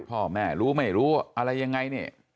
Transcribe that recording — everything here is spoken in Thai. พ่อแม่รู้ไม่รู้อะไรยังไงนี่